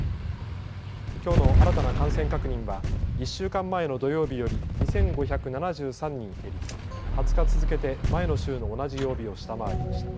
きょうの新たな感染確認は１週間前の土曜日より２５７３人減り２０日続けて前の週の同じ曜日を下回りました。